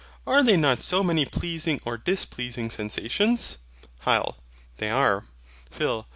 Are they not so many pleasing or displeasing sensations? HYL. They are. PHIL.